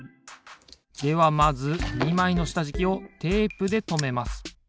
ではまず２まいのしたじきをテープでとめます。